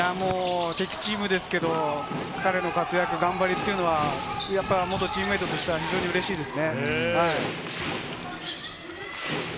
敵チームですけど、彼の活躍・頑張りは元チームメートとしては非常にうれしいですね。